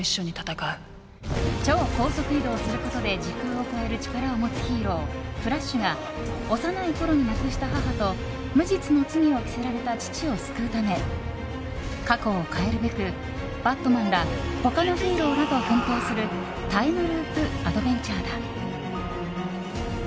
超高速移動することで時空を超える力を持つヒーローフラッシュが幼いころに亡くした母と無実の罪を着せられた父を救うため過去を変えるべくバットマンら他のヒーローらと奮闘するタイムループアドベンチャーだ。